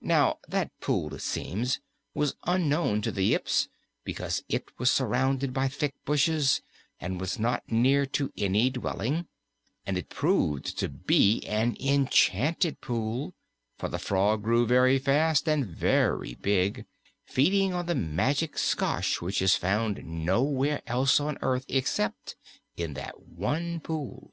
Now that pool, it seems, was unknown to the Yips because it was surrounded by thick bushes and was not near to any dwelling, and it proved to be an enchanted pool, for the frog grew very fast and very big, feeding on the magic skosh which is found nowhere else on earth except in that one pool.